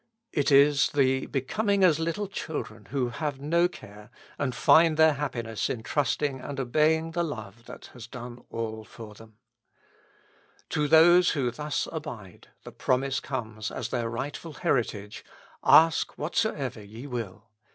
It is the becoming as little children who have no care, and find their 169 With Christ in the School of Prayer. happiness in trusting and obeying the love that has done all for them. To those who thus abide, the promise comes as their rightful heritage: Ask whatsoever ye will.